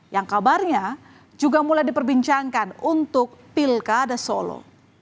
yang kabarnya juga mulai diperbincangkan untuk pilkada solo